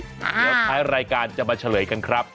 เดี๋ยวท้ายรายการจะมาเฉลยกันครับ